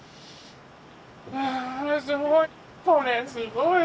わあすごい！